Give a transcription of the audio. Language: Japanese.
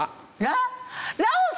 ラオス！